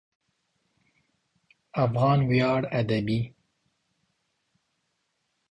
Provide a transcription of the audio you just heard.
افغان ویاړ ادبي